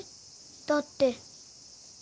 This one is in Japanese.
だって。